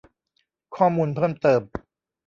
ข้อมูลเพิ่มเติม